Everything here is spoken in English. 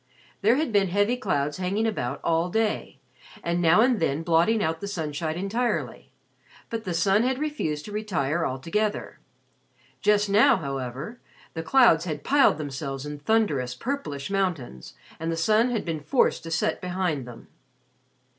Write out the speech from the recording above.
There had been heavy clouds hanging about all day and now and then blotting out the sunshine entirely, but the sun had refused to retire altogether. Just now, however, the clouds had piled themselves in thunderous, purplish mountains, and the sun had been forced to set behind them.